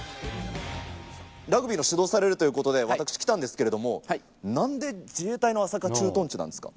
ラグビーの指導をされるということで、私、来たんですけれども、なんで自衛隊の朝霞駐屯地なんですか。